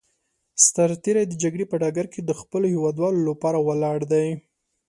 سرتېری د جګړې په ډګر کې د خپلو هېوادوالو لپاره ولاړ دی.